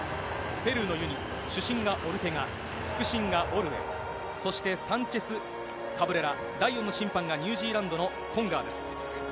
ペルーの、主審がオルテガ、副審がオルエ、そしてサンチェスカブレラ、第４の審判がニュージーランドのコンガーです。